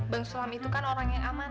bang sulam itu kan orang yang asli kan